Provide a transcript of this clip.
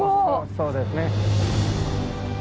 そうですね。